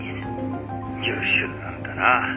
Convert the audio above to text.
優秀なんだな。